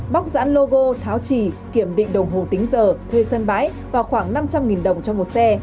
bóc dãn logo tháo chỉ kiểm định đồng hồ tính giờ thuê sân bãi và khoảng năm trăm linh đồng cho một xe